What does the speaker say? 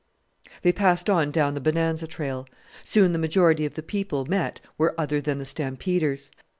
They passed on down the Bonanza trail; soon the majority of the people met were other than the stampeders.